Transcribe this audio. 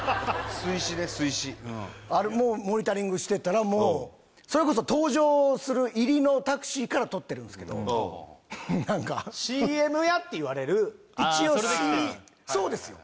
水死あれモニタリングしてたらもうそれこそ登場する入りのタクシーから撮ってるんですけど何か「ＣＭや」って言われるああそれで来てたんだ一応Ｃそうですよ